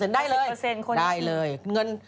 สวัสดีค่าข้าวใส่ไข่